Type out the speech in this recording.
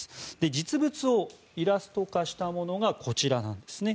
実物をイラスト化したものがこちらです。